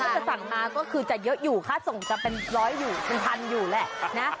ถ้าจะสั่งมาก็คือจะเยอะอยู่ค่าส่งจะเป็นร้อยอยู่เป็นพันอยู่แหละนะ